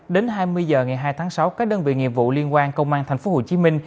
đến hai mươi h ngày hai tháng sáu các đơn vị nghiệp vụ liên quan công an tp hcm